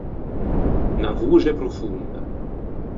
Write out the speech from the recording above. Unna voxe profonda.